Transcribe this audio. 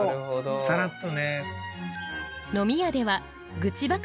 さらっとね。